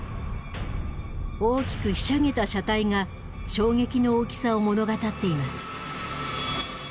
大きくひしゃげた車体が衝撃の大きさを物語っています。